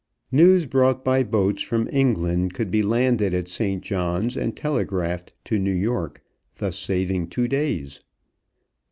News brought by boats from England could be landed at St. John's and telegraphed to New York, thus saving two days.